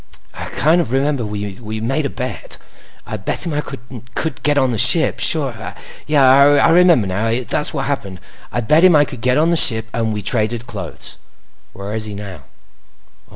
"I kind of remember we made a bet. I bet him I could get on the ship. Sure—I remember, now. That's what happened; I bet him I could get on the ship and we traded clothes." "Where is he now?"